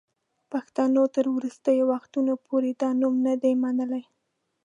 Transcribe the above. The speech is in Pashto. پښتنو تر وروستیو وختونو پوري دا نوم نه دی منلی.